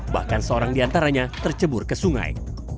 bahkan seorang di antaranya tercebur ke sungai